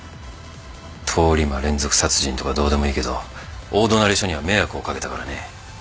通り魔連続殺人とかどうでもいいけど大隣署には迷惑を掛けたからね。